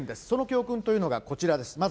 その教訓というのがこちらです。